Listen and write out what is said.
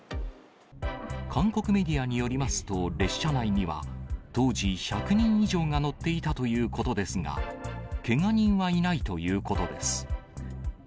韓国メディアによりますと、列車内には、当時、１００人以上が乗っていたということですが、けが人はいないということです。